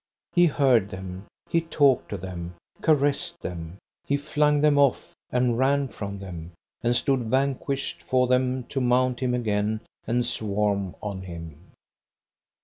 He heard them, he talked to them, caressed them; he flung them off, and ran from them, and stood vanquished for them to mount him again and swarm on him.